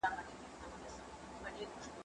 زه به سبا د کتابتون د کار مرسته وکړم،